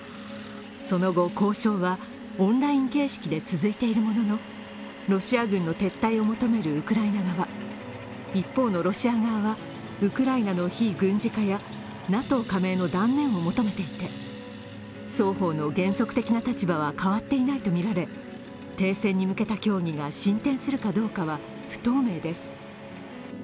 その後、交渉はオンライン形式で続いているもののロシア軍の撤退を求めるウクライナ側、一方のロシア側はウクライナの非軍事化やＮＡＴＯ加盟の断念を求めていて双方の原則的な立場は変わっていないとみられ、停戦に向けた協議が進展するかどうかは不透明です。